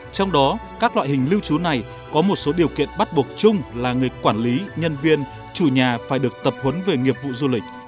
trong đó các loại hình lưu trú này có một số điều kiện bắt buộc chung là người quản lý nhân viên chủ nhà phải được tập huấn về nghiệp vụ du lịch